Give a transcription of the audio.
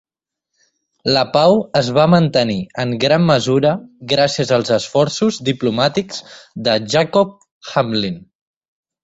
La pau es va mantenir en gran mesura gràcies als esforços diplomàtics de Jacob Hamblin.